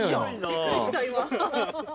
びっくりした今。